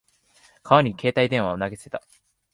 川に携帯電話を投げ捨てた。